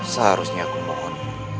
seharusnya aku mohon